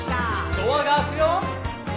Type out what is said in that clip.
「ドアが開くよ」